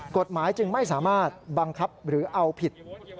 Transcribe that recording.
กฎหมายจึงไม่สามารถบังคับหรือเอาผิด